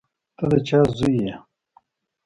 ته د چا زوی یې؟